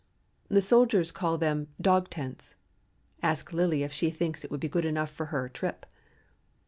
The soldiers call them 'dog tents.' Ask Lillie if she thinks it would be good enough for her 'Trip.'